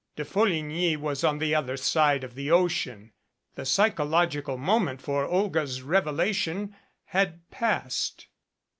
De Folligny was on the other side of the ocean. The psychological moment for Olga's revelation had passed.